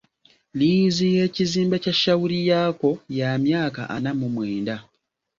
Liizi y’ekizimbe kya Shauriyako ya myaka ana mu mwenda.